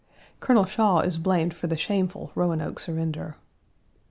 Colonel Shaw is blamed for the shameful Roanoke surrender.